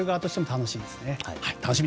楽しみです。